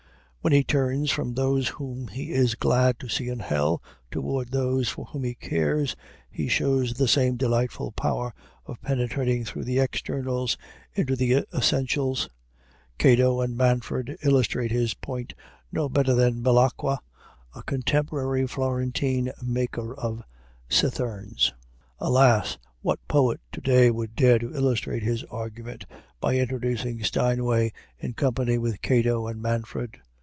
When he turns from those whom he is glad to see in hell toward those for whom he cares, he shows the same delightful power of penetrating through the externals into the essentials. Cato and Manfred illustrate his point no better than Belacqua, a contemporary Florentine maker of citherns. Alas! what poet to day would dare to illustrate his argument by introducing Steinway in company with Cato and Manfred!